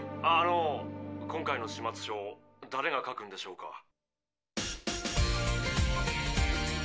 あの今回の始末書だれが書くんでしょうか？